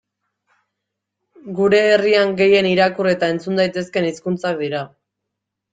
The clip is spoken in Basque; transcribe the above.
Gure herrian gehien irakur eta entzun daitezkeen hizkuntzak dira.